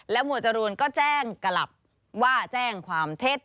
หมวดจรูนก็แจ้งกลับว่าแจ้งความเท็จ